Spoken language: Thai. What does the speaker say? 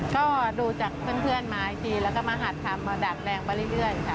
ก็ดูจากเพื่อนมาอาทิตย์และแล้วมาหักทำตัดแรงไปเรื่อยค่ะ